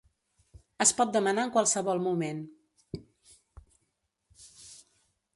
Es pot demanar en qualsevol moment.